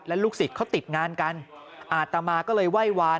ลูกศิษย์เขาติดงานกันอาตมาก็เลยไหว้วาน